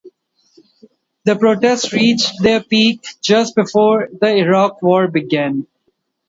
The protests reached their peak just before the Iraq War began.